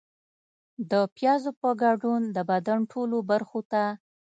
د پیازو په ګډون د بدن ټولو برخو ته